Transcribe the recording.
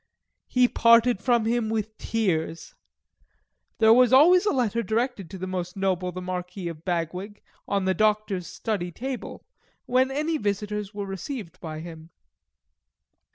He parted from him with tears. There was always a letter directed to the Most Noble the Marquis ef Bagwig, on the Doctor's study table, when any visitors were received by him.